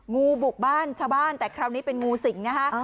งูบุกบ้านชาวบ้านแต่คราวนี้เป็นงูสิงนะคะ